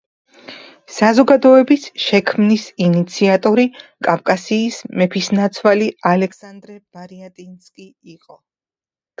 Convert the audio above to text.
საზოგადოების შექმნის ინიციატორი კავკასიის მეფისნაცვალი ალექსანდრე ბარიატინსკი იყო.